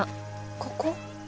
ここ？